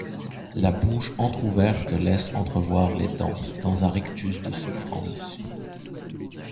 La bouche entrouverte laisse entrevoir les dents dans un rictus de souffrance.